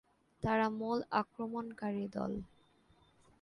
তারা মূল আক্রমণকারী দল।